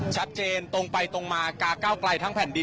ชัดเจนตรงไปตรงมากาเก้าไกลทั้งแผ่นดิน